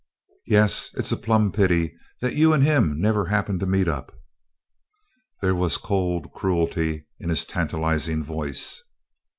"Yes! it's a plumb pity that you and him never happened to meet up." There was cold cruelty in his tantalizing voice.